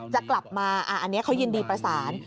จะกลับมาอันนี้เขายินดีประสาน